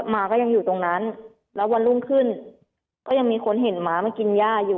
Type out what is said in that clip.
มาก็ยังอยู่ตรงนั้นแล้ววันรุ่งขึ้นก็ยังมีคนเห็นหมามากินย่าอยู่